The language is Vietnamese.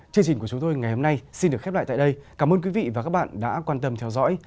chương trình của chúng tôi ngày hôm nay xin được khép lại tại đây cảm ơn quý vị và các bạn đã quan tâm theo dõi